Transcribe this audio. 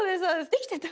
できてた？